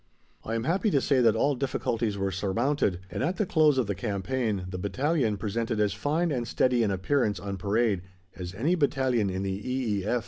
I am happy to say that all difficulties were surmounted, and, at the close of the campaign, the Battalion presented as fine and steady an appearance on Parade as any Battalion in the E.